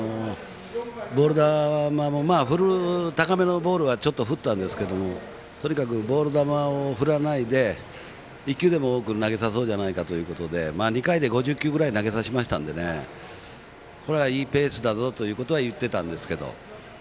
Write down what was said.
ボール球も、高めのボールはちょっと振ったんですけどもとにかくボール球を振らないで１球でも多く投げさせようじゃないかということで２回で５０球くらい投げさせましたのでこれはいいペースだぞというのは言ってたんですけど。